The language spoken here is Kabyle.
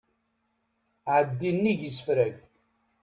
Ɛeddi nnig isefreg.